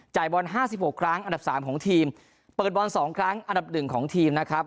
จ่ายบอลห้าสิบหกครั้งอันดับสามของทีมเปิดบอลสองครั้งอันดับหนึ่งของทีมนะครับ